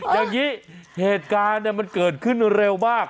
อย่างนี้เหตุการณ์มันเกิดขึ้นเร็วมาก